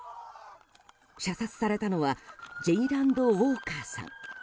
射殺されたのはジェイランド・ウォーカーさん。